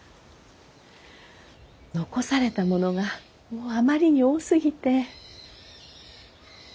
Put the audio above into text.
残されたものがもうあまりに多すぎて。